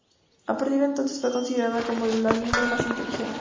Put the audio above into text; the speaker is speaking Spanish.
A partir de entonces fue considerada como la miembro más inteligente.